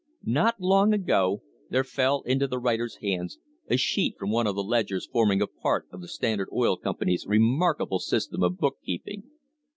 Not long ago there fell into the writer's hands a sheet from one of the ledgers forming a part of the Standard Oil Com pany's remarkable system of bookkeeping.